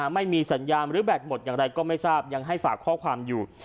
ไม่มีสัญญาณหรือแบตหมดอย่างไรก็ไม่ทราบยังให้ฝากข้อความอยู่